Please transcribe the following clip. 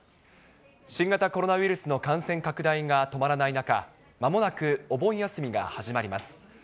新型コロナウイルスの感染拡大が止まらない中、まもなくお盆休みが始まります。